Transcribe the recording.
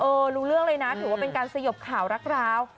รู้เรื่องเลยนะถือว่าเป็นการสยบข่าวรักร้าว